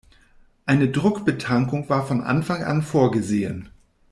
Eine Druckbetankung war von Anfang an vorgesehen.